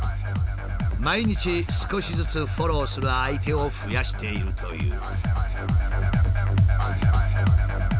毎日少しずつフォローする相手を増やしているという。